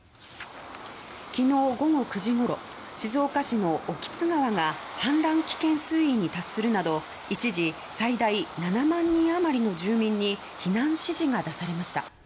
昨日午後９時ごろ静岡市の興津川が氾濫危険水位に達するなど一時、最大７万人あまりの住民に避難指示が出されました。